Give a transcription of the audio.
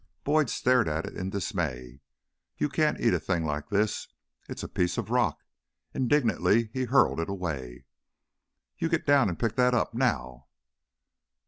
Boyd stared at it in dismay. "You can't eat a thing like this! It's a piece of rock." Indignantly he hurled it away. "You get down and pick that up! Now!"